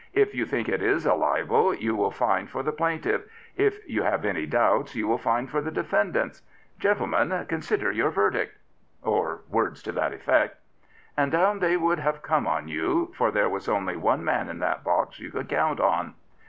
If you think it is a libel you will find for the plaintiff; if you have any doubts you will find for the defendants. Gentlemen, consider your ver dict.' Or words to that effect. And down they would have come on you, for there was only one man in that box you could count on."